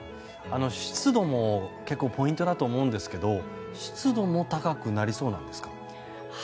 湿度も結構ポイントだと思うんですけど湿度も高くなりそうなんですか？